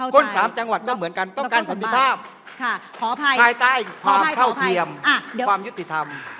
กรุงสามจังหวัดก็เหมือนกันต้องการสันติภาพทายใต้ถ้าเข้าเทียมความยุติธรรม